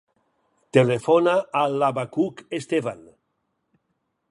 Telefona al Abacuc Estevan.